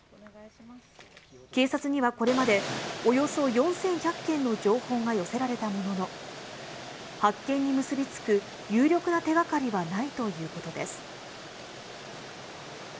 警察にはこれまで、およそ４１００件の情報が寄せられたものの、発見に結びつく有力な手がかりはないということです。